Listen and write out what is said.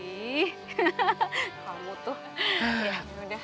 ih kamu tuh